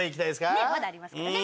ねっまだありますからね。